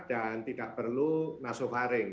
dan tidak perlu nasofaring